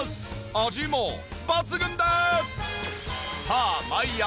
味も抜群です！